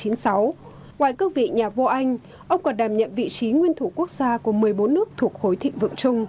ngoài cương vị nhà vua anh ông còn đảm nhận vị trí nguyên thủ quốc gia của một mươi bốn nước thuộc khối thịnh vượng chung